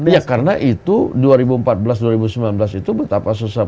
ya karena itu dua ribu empat belas dua ribu sembilan belas itu betapa susah